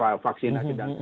agar retiron siap